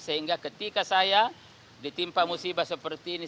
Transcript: sehingga ketika saya ditimpa musibah seperti ini